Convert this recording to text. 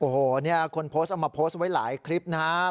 โอ้โหเนี่ยคนโพสต์เอามาโพสต์ไว้หลายคลิปนะครับ